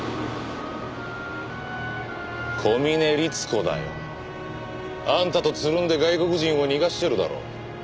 小峰律子だよ。あんたとつるんで外国人を逃がしてるだろ。